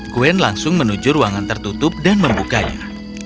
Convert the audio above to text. gwen langsung menuju ruangan tertutup dan membukanya